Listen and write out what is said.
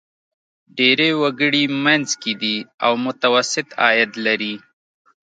ډېری وګړي منځ کې دي او متوسط عاید لري.